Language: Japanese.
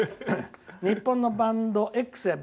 日本のバンド、ＸやＢ